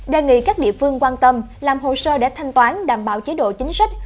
đề nghị các địa phương quan tâm làm hồ sơ để thanh toán đảm bảo chế độ chính sách